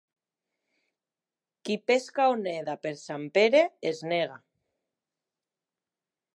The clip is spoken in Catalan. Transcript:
Qui pesca o neda per Sant Pere es nega.